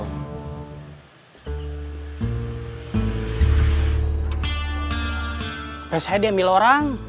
tapi saya diambil orang